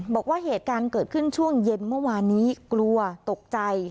บอกว่าเหตุการณ์เกิดขึ้นช่วงเย็นเมื่อวานนี้กลัวตกใจ